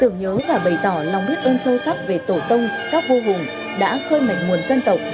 nhớ và bày tỏ lòng biết ơn sâu sắc về tổ tông các vua hùng đã khơi mạch nguồn dân tộc